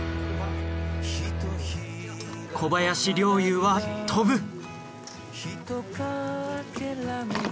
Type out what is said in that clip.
小林陵侑は飛ぶ。